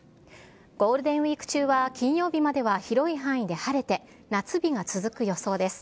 ゴールデンウィーク中は金曜日までは広い範囲で晴れて、夏日が続く予想です。